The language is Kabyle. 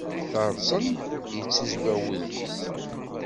Teṛẓen, yettiẓwiɣ wudem-is.